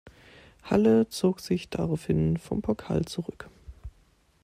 Halle zog sich daraufhin vom Pokal zurück.